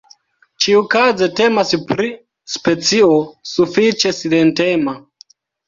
Ĉiukaze temas pri specio sufiĉe silentema.